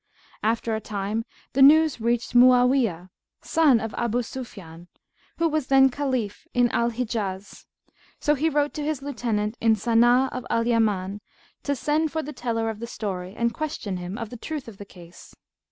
After a time the news reached Mu'бwiyah, son of Abu Sufyбn, who was then Caliph in Al Hijaz; so he wrote to his lieutenant in San'б of Al Yaman to send for the teller of the story and question him of the truth of the case.